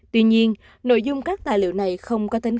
tuy nhiên nội dung các tài liệu này không có tính